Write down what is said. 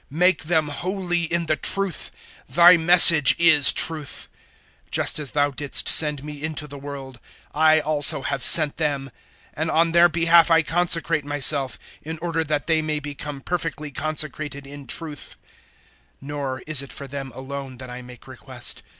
017:017 Make them holy in the truth: Thy Message is truth. 017:018 Just as Thou didst send me into the world, I also have sent them; 017:019 and on their behalf I consecrate myself, in order that they may become perfectly consecrated in truth. 017:020 "Nor is it for them alone that I make request.